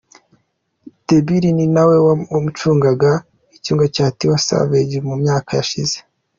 Tee Billz ni na we wacungaga inyungu za Tiwa Savage mu myaka yashize.